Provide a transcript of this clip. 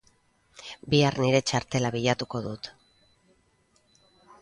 Bihar nire txartela bilatuko dut.